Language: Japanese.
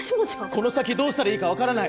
この先どうしたらいいかわからない。